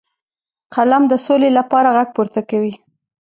قلم د سولې لپاره غږ پورته کوي